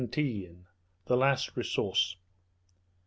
THE LAST RESOURCE.